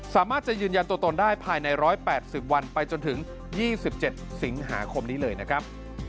สามารถจะยืนยันตัวตนได้ภายใน๑๘๐วันไปจนถึง๒๗สิงหาคมนี้เลยนะครับ